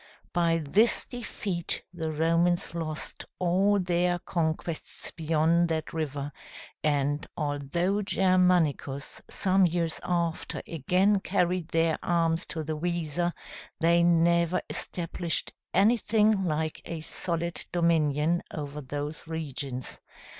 By this defeat the Romans lost all their conquests beyond that river; and although Germanicus some years after again carried their arms to the Weser, they never established anything like a solid dominion over those regions.